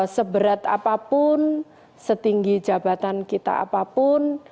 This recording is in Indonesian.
seberat apapun setinggi jabatan kita apapun